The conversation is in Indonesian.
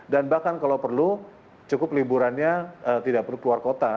dan bahkan kalau perlu cukup liburannya tidak perlu keluar kota